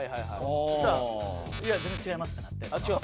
そしたらいや全然違いますってなって。